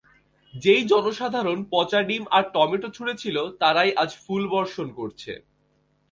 যেই জনসাধারণ পচা ডিম আর টমেটো ছুঁড়েছিল, তারাই আজ ফুল বর্ষণ করছে।